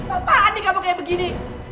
apaan nih kamu kayak begini